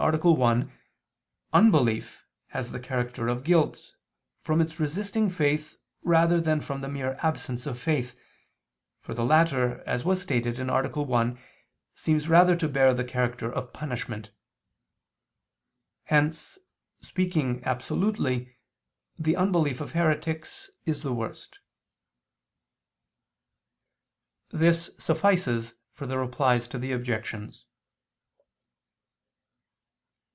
1) unbelief has the character of guilt, from its resisting faith rather than from the mere absence of faith, for the latter as was stated (A. 1) seems rather to bear the character of punishment. Hence, speaking absolutely, the unbelief of heretics is the worst. This suffices for the Replies to the Objections.